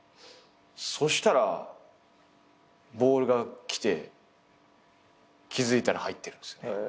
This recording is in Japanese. そしたらボールが来て気付いたら入ってる。